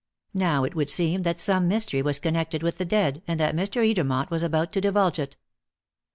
Now it would seem that some mystery was connected with the dead, and that Mr. Edermont was about to divulge it.